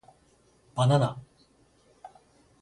ばなな